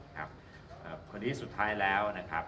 คณีสุดท้ายแล้ว